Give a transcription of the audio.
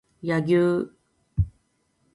柳生